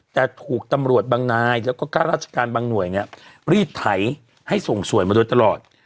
แต่ถูกตำรวจบางนายแล้วก็ค่าราชการบางหน่วยเนี่ยรีดไถให้ส่งสวยมาโดยตลอด